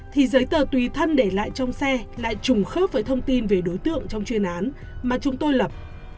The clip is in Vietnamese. thì giấy tờ tùy thân để lại trong xe lại trùng khớp với thông tin về đối tượng trong chuyên án mà chúng tôi lập